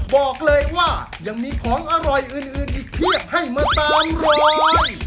บอกเลยว่ายังมีของอร่อยอื่นอีกเพียบให้มาตามรอย